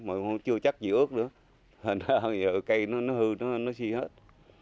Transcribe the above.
mà chưa chắc gì ướt nữa hình ra giờ cây nó hư nó xi hết